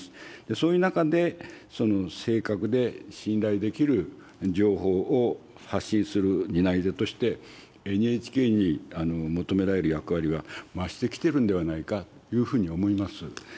そういう中で、正確で信頼できる情報を発信する担い手として、ＮＨＫに求められる役割は増してきているんではないかというふうに思います。